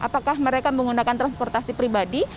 apakah mereka menggunakan transportasi pribadi